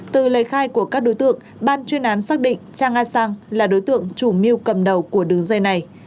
từ lời khai của các đối tượng ban chuyên án xác định cha nga sang là đối tượng chủ mưu cầm đầu của đường dây này